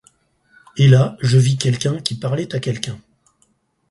Et là je vis quelqu'un qui parlait à quelqu'un